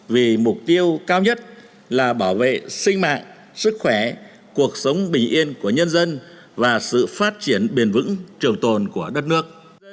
vì mục tiêu cao nhất là bảo vệ sinh mạng sức khỏe cuộc sống bình yên của nhân dân và sự phát triển bền vững trường tồn của đất nước